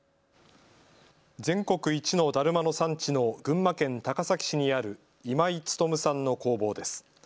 全国一のだるまの産地の群馬県高崎市にある今井勤さんの工房です。